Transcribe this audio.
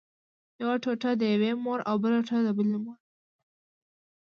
یوه ټوټه د یوې مور او بله ټوټه د بلې مور.